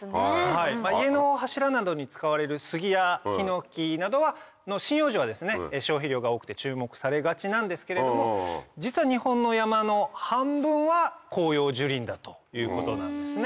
家の柱などに使われるスギやヒノキなどの針葉樹は消費量が多くて注目されがちなんですけれども実は日本の山の半分は広葉樹林だということなんですね。